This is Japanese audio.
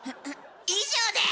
以上です！